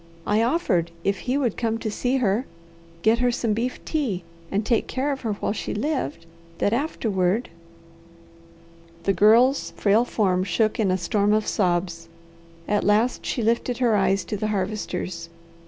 I offered, if he would come to see her, get her some beef tea, and take care of her while she lived, that afterward " The Girl's frail form shook in a storm of sobs. At last she lifted her eyes to the Harvester's.